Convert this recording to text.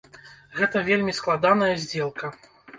Гэта вельмі складаная здзелка.